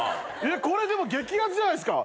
これでも激アツじゃないっすか。